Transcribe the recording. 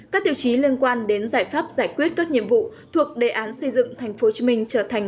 các tiêu chí liên quan đến giải pháp giải quyết các nhiệm vụ thuộc đề án xây dựng tp hcm trở thành